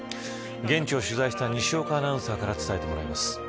現地を取材した西岡アナウンサーから伝えてもらいます。